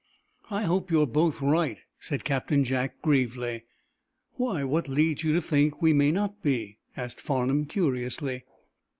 '" "I hope you're both right," said Captain Jack, gravely. "Why, what leads you to think that we may not be?" asked Farnum, curiously.